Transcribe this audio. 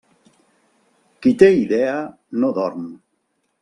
Qui té idea, no dorm.